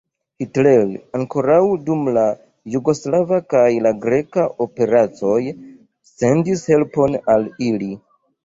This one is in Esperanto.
Hitler ankoraŭ dum la jugoslava kaj la greka operacoj sendis helpon al ili.